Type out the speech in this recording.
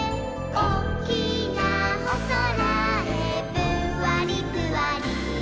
「おっきなおそらへぷんわりぷわり」